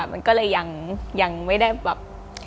มันก็เลยยังไม่ได้แบบ